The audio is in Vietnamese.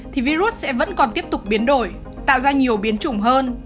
thì virus sẽ vẫn còn tiếp tục biến đổi tạo ra nhiều biến chủng hơn